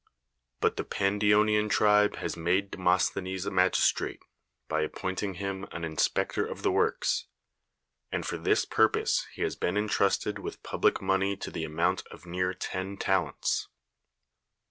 But the Pandionian tribe has made Demosthenes a magistrate, by appointing him an inspector of the works ; and for this purpose he has been intrusted with public money to the amount of near ten talents.